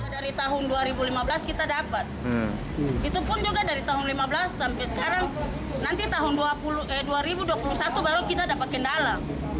dari tahun dua ribu lima belas kita dapat itu pun juga dari tahun lima belas sampai sekarang nanti tahun dua ribu dua puluh satu baru kita dapat kendala